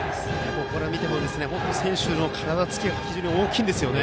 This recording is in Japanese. ここから見ても選手の体つきが非常に大きいんですよね。